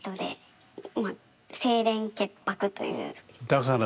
だから